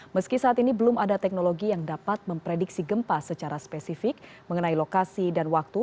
meski saat ini belum ada teknologi yang dapat memprediksi gempa secara spesifik mengenai lokasi dan waktu